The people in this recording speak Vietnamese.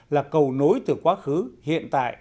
là cầu nối từ quá khứ hiện tại